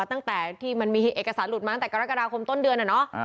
ตั้งแต่ที่มันมีเอกสารหลุดมาตั้งแต่กรกฎาคมต้นเดือน